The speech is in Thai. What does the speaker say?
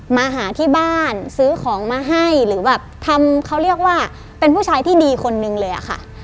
มาหาที่บ้านซื้อของมาให้หรือแบบทำเขาเรียกว่าเป็นผู้ชายที่ดีคนนึงเลยอะค่ะ